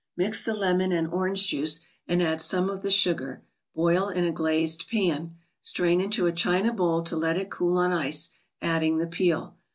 Mix the lemon and orange juice, and add some of the sugar; boil in a glazed pan. Strain into a china bowl to let it cool on ice, adding the peel.